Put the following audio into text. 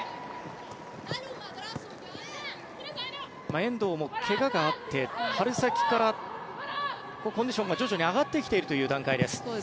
遠藤も怪我があって春先からコンディションが徐々に上がってきているという段階です。